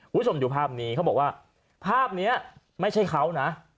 คุณผู้ชมดูภาพนี้เขาบอกว่าภาพนี้ไม่ใช่เขานะ